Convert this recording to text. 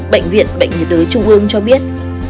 bệnh viện bệnh nhiệt đới trung ương cho biết